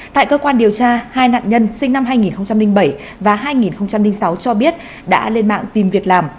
tại cơ quan điều tra hai nạn nhân sinh năm hai nghìn bảy và hai nghìn sáu cho biết đã lên mạng tìm việc làm